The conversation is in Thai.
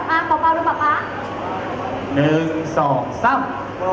ไม่เห็นเสริมว่าวันนี้จะชัดการช่วยอะไร